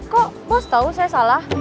kok bos tau saya salah